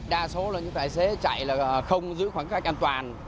đa số là những tài xế chạy là không giữ khoảng cách an toàn